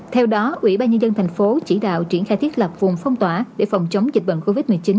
theo đó ủy ban nhân dân thành phố chỉ đạo triển khai thiết lập vùng phong tỏa để phòng chống dịch bệnh covid một mươi chín